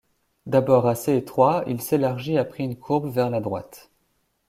D'abord assez étroit, il s'élargit après une courbe vers la droite.